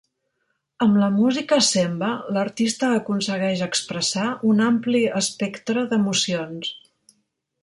Amb la música Semba, l'artista aconsegueix expressar un ampli espectre d'emocions.